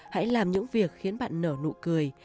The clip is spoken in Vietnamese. hãy làm những việc khiến bạn nở nụ cười